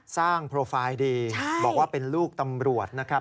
โปรไฟล์ดีบอกว่าเป็นลูกตำรวจนะครับ